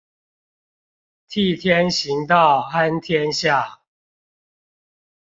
替天行道安天下